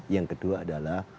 yang kedua adalah